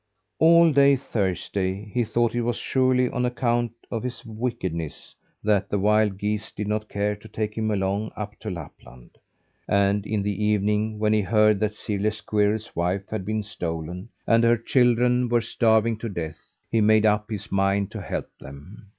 All day Thursday he thought it was surely on account of his wickedness that the wild geese did not care to take him along up to Lapland. And in the evening, when he heard that Sirle Squirrel's wife had been stolen, and her children were starving to death, he made up his mind to help them.